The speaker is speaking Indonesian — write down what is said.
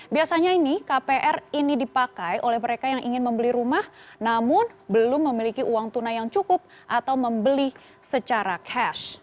biasanya ini kpr ini dipakai oleh mereka yang ingin membeli rumah namun belum memiliki uang tunai yang cukup atau membeli secara cash